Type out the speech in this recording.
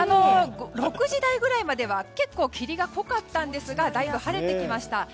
６時台ぐらいまでは結構霧が濃かったんですけど晴れてきました。